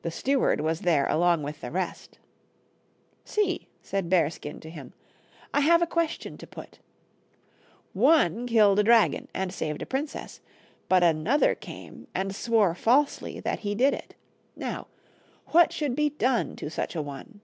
The steward was there along with the rest. "See," said Bearskin to him, " I have a question to put. One killed a dragon and saved a princess, but another came and swore falsely that he did it. Now, what should be done to such a one